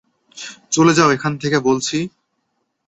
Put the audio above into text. চলে যাও এখান থেকে বলছি!